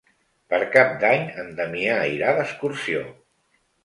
Per Cap d'Any en Damià irà d'excursió.